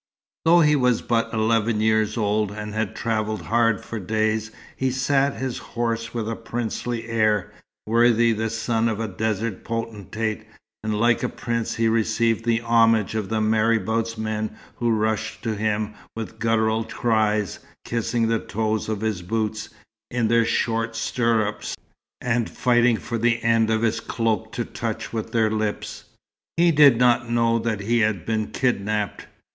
Though he was but eleven years old, and had travelled hard for days, he sat his horse with a princely air, worthy the son of a desert potentate; and like a prince he received the homage of the marabout's men who rushed to him with guttural cries, kissing the toes of his boots, in their short stirrups, and fighting for an end of his cloak to touch with their lips. He did not know that he had been "kidnapped."